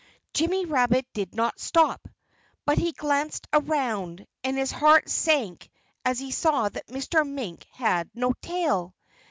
Jimmy Rabbit did not stop. But he glanced around. And his heart sank as he saw that Mr. Mink had no tail!